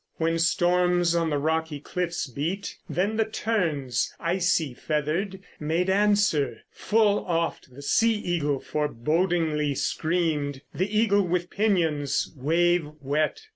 When storms on the rocky cliffs beat, then the terns, icy feathered, Made answer; full oft the sea eagle forebodingly screamed, The eagle with pinions wave wet....